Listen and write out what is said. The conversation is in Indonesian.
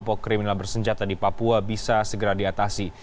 pok kriminal bersenjata di papua bisa segera diatasi